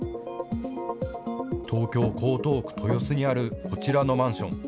東京・江東区豊洲にあるこちらのマンション。